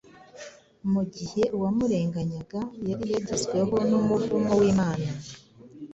mu gihe uwamurenganyaga yari yagezweho n’umuvumo w’Imana.